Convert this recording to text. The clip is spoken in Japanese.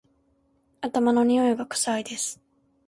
頭のにおいが臭いです